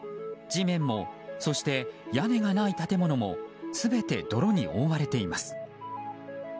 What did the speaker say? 地面もそして屋根がない建物も全て泥に覆われています。